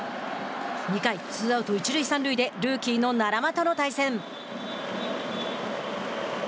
２回、ツーアウト、一塁三塁でルーキーの奈良間との対戦。